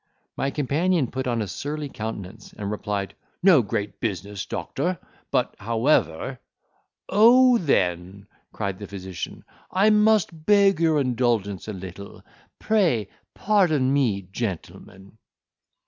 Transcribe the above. My companion put on a surly countenance, and replied "No great business, doctor—but however—" "Oh! then," cried the physician; "I must beg your indulgence a little; pray pardon me, gentlemen."